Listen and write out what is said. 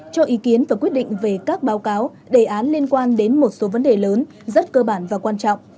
cho ý kiến và quyết định về các báo cáo đề án liên quan đến một số vấn đề lớn rất cơ bản và quan trọng